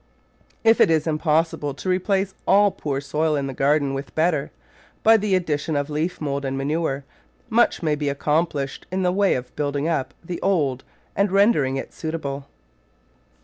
If it is im possible to replace all poor soil in the garden with better, by the addition of leaf mould and manure, much may be accomplished in the way of building up the old and rendering it suitable.